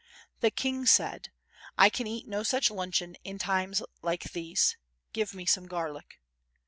The King said: "I can eat no such luncheon in times like these—give me some garlic."